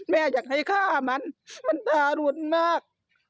อยากให้ฆ่ามันมันทารุนมาก